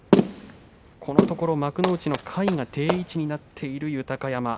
このところ幕内の下位が定位置になっている豊山